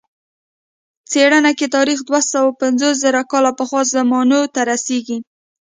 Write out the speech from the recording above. څېړنه کې تاریخ دوه سوه پنځوس زره کاله پخوا زمانو ته رسېږي.